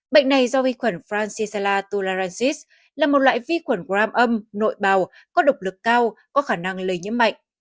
bệnh này do vi khuẩn francisala tularancis là một loại vi khuẩn gram âm nội bào có độc lực cao có khả năng lây nhiễm mạnh